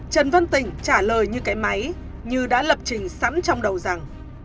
trần văn tỉnh trả lời như kẽ máy như đã lập trình sẵn trong đầu rằng